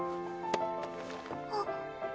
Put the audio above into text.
あっ。